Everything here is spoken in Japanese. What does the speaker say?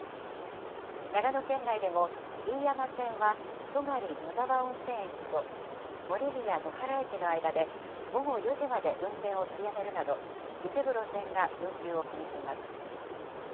長野県内でも飯山線は戸狩野沢温泉駅と森宮野原駅の間で午後４時まで運転を取りやめるなど、一部路線が運休を決めています。